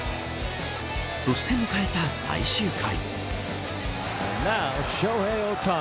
そして迎えた最終回。